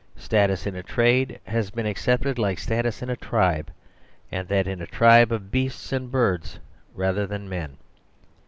Status in a trade has been accepted like status in a tribe; and that in a tribe of beasts and birds rather than men.